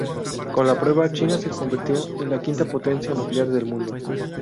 Con la prueba, China se convirtió en la quinta potencia nuclear del mundo.